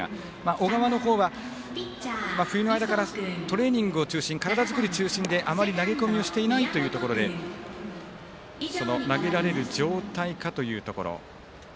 小川の方は冬の間からトレーニングを中心に体作り中心であまり投げ込みをしていないというところでその投げられる状態かというところ。